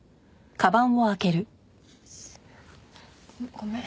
ごめん。